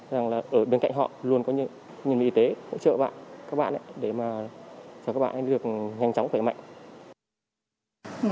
rằng là ở bên cạnh họ luôn có nhân viên y tế hỗ trợ bạn các bạn để mà cho các bạn được nhanh chóng khỏe mạnh